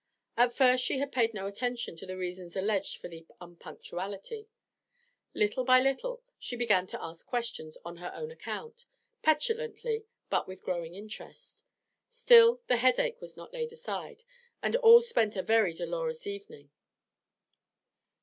At first she had paid no attention to the reasons alleged for the unpunctuality; little by little she began to ask questions on her own account, petulantly but with growing interest. Still, the headache was not laid aside, and all spent a very dolorous evening.